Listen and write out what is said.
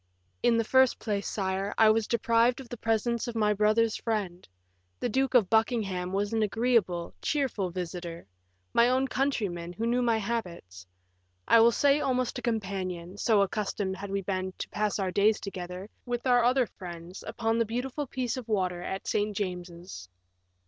"In the first place, sire, I was deprived of the presence of my brother's friend. The Duke of Buckingham was an agreeable, cheerful visitor; my own countryman, who knew my habits; I will say almost a companion, so accustomed had we been to pass our days together, with our other friends, upon the beautiful piece of water at St. James's."